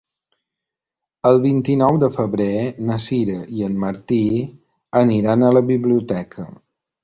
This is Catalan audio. El vint-i-nou de febrer na Sira i en Martí aniran a la biblioteca.